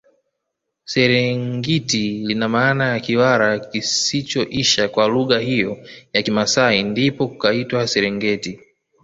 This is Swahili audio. Serengiti lina maana ya Kiwara kisichoisha kwa lugha hiyo ya kimasai ndipo kukaitwa serengeti